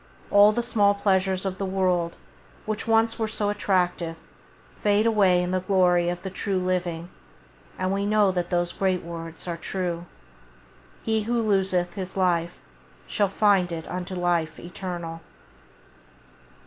All the small pleasures of the world which once were so attractive fade away in the glory of the true living, and we know that those great words are true: " He who loseth his life shall find it unto life eternal".